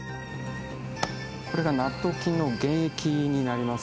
これが納豆菌の原液になります